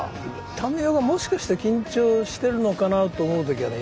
民生がもしかして緊張してるのかなと思う時はね